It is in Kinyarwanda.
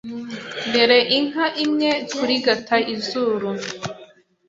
Mbere inka imwe kurigata izuru